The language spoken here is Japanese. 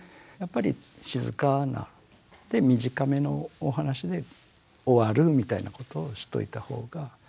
やっぱり静かなで短めのお話で終わるみたいなことをしといた方が。